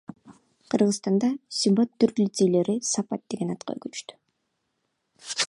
Кыргызстанда Себат түрк лицейлери Сапат деген атка көчтү.